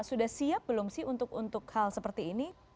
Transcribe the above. sudah siap belum sih untuk hal seperti ini